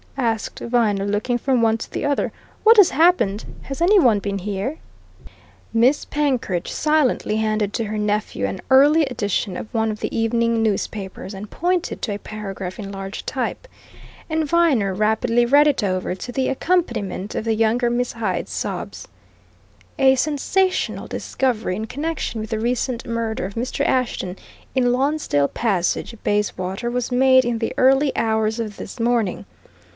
asked Viner, looking from one to the other. "What has happened! Has any one been here?" Miss Penkridge silently handed to her nephew an early edition of one of the evening newspapers and pointed to a paragraph in large type. And Viner rapidly read it over, to the accompaniment of the younger Miss Hyde's sobs. A sensational discovery in connection with the recent murder of Mr. Ashton in Lonsdale Passage, Bayswater, was made in the early hours of this morning.